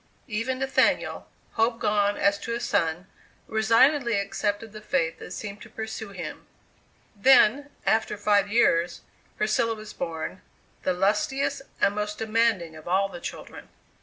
Even Nathaniel, hope gone as to a son, resignedly accepted the fate that seemed to pursue him. Then, after five years, Priscilla was born, the lustiest and most demanding of all the children.